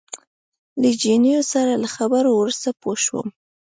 له جینو سره له خبرو وروسته پوه شوم.